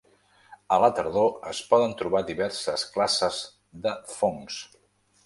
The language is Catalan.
A la tardor es poden trobar diverses classes de fongs.